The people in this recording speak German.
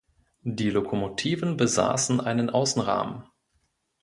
Die Lokomotiven besaßen einen Außenrahmen.